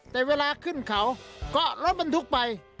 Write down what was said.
แต่เวลาขึ้นเขาก็ลดเป็นทุกไป